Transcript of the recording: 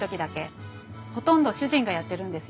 ほとんど主人がやってるんですよ。